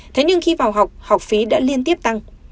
thế nhưng khi vào học học phí đã liên tiếp tăng